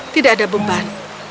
tidak ada beban